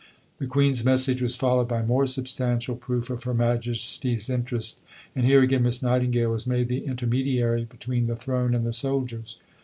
'" The Queen's message was followed by more substantial proof of Her Majesty's interest, and here again Miss Nightingale was made the intermediary between the throne and the soldiers.